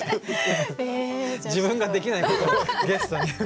自分ができないことをゲストに振る。